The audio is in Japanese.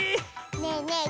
ねえねえ